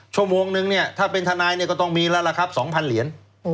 ชั่วโมงนึงเนี่ยถ้าเป็นทนายเนี่ยก็ต้องมีแล้วล่ะครับ๒๐๐เหรียญ